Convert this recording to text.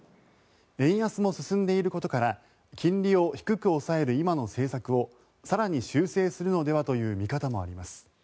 円安も進んでいることから金利を低く抑える今の政策を更に修正するのではという見方もあります。